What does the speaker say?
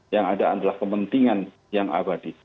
yang ada adalah kepentingan yang abadi